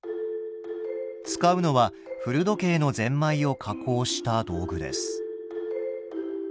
使うのは古時計のゼンマイを加工した道具です。